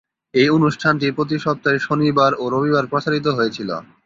এই অনুষ্ঠানটি প্রতি সপ্তাহের শনিবার ও রবিবার প্রচারিত হয়েছিল।